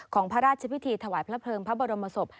พระราชพิธีถวายพระเพลิงพระบรมศพ